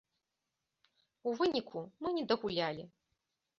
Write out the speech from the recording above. У выніку мы не дагулялі.